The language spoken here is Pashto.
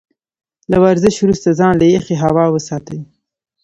له ورزش وروسته ځان له يخې هوا وساتئ.